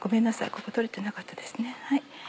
ここ取れてなかったですね。